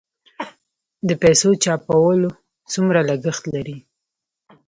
د پیسو چاپول څومره لګښت لري؟